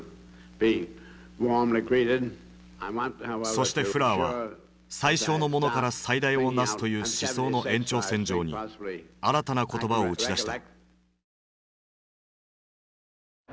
そしてフラーは最小のものから最大をなすという思想の延長線上に新たな言葉を打ち出した。